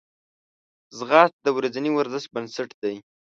ځغاسته د ورځني ورزش بنسټ دی